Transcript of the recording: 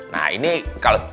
nah ini kalau